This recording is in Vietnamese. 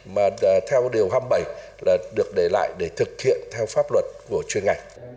mà theo điều hai mươi bảy là được để lại để thực hiện theo pháp luật của chuyên ngành